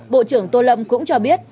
bộ trưởng tô lâm cũng cho biết